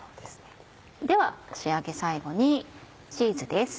では仕上げ最後にチーズです。